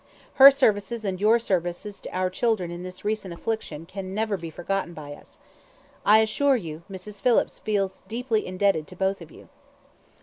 Her services and your services to our children in this recent affliction can never be forgotten by us. I can assure you, Mrs. Phillips feels deeply indebted to both of you."